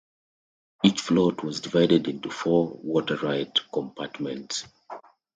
Each float was divided into four watertight compartments.